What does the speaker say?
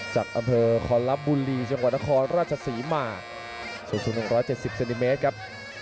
จากอำเภอคอนลับบุรีจังหวัดนครราชศรีมาสูง๑๗๐เซนติเมตรครับ